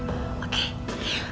sekarang kita akan berjalan